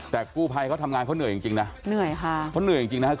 แต่กู้ภัยเขาทำงานเขาเหนื่อยจริงจริงนะเหนื่อยค่ะเขาเหนื่อยจริงจริงนะครับ